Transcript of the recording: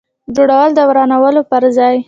جوړول د ورانولو پر ځای.